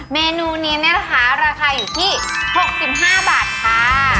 เมนูนี้เนี่ยนะคะราคาอยู่ที่๖๕บาทค่ะ